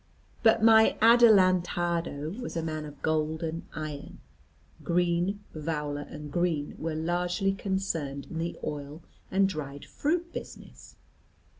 But my Adelantado was a man of gold and iron. Green, Vowler, and Green were largely concerned in the oil and dried fruit business.